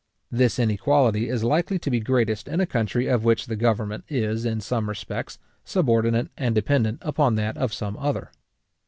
This inequality is likely to be greatest in a country of which the government is, in some respects, subordinate and dependant upon that of some other.